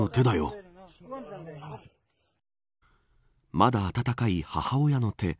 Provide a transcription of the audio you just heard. まだ暖かい母親の手。